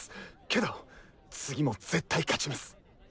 けど次も絶対勝ちます。